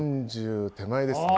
４０手前ですね。